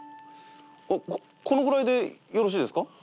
このぐらいでよろしいですか？